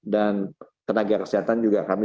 dan tenaga kesehatan juga kami